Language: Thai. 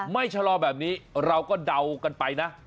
ชะลอแบบนี้เราก็เดากันไปนะ